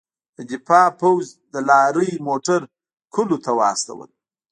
د دفاع پوځ د لارۍ موټر کلیو ته واستول.